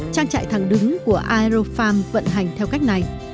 trang trại thẳng đứng của aerofarm vận hành theo cách này